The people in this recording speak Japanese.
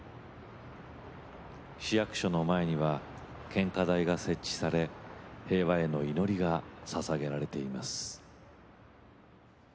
市役所の前には献花台が設置され平和への祈りがささげられています。